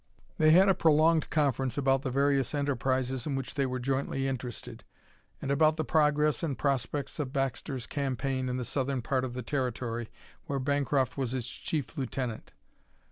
They had a prolonged conference about the various enterprises in which they were jointly interested, and about the progress and prospects of Baxter's campaign in the southern part of the Territory, where Bancroft was his chief lieutenant.